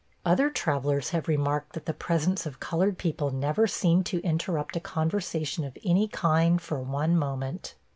Other travelers have remarked that the presence of colored people never seemed to interrupt a conversation of any kind for one moment.